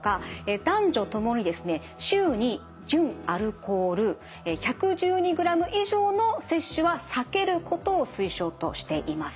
男女ともにですね週に純アルコール１１２グラム以上の摂取は避けることを推奨としています。